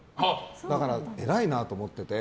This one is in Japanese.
だから、えらいなと思ってて。